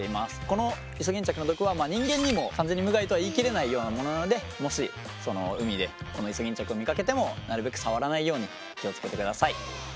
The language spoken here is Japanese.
このイソギンチャクの毒は人間にも完全に無害とは言い切れないようなものなのでもし海でこのイソギンチャクを見かけてもなるべく触らないように気を付けてください。